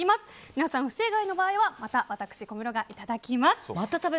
皆さん、不正解の場合はまた私、小室がいただきます。